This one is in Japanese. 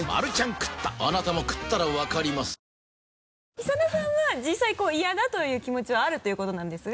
久田さんは実際こう嫌だという気持ちはあるということなんですが。